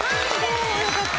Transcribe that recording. およかった。